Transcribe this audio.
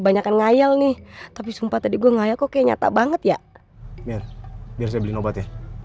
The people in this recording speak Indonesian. banyak ngayal nih tapi sumpah tadi gua ngayak oke nyata banget ya biar biar saya beli obat